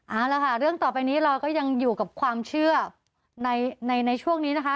เอาละค่ะเรื่องต่อไปนี้เราก็ยังอยู่กับความเชื่อในช่วงนี้นะคะ